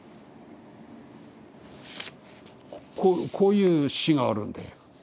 こういう詩があるんだよ。